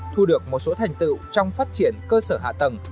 thu được một số thành tựu trong phát triển cơ sở hạ tầng